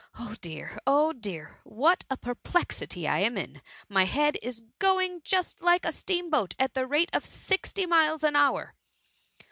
Oh, dear ! oh, dear, what a perplexity I am in, my head is going just like a steam boat, at the rate of sixty miles an hour.?"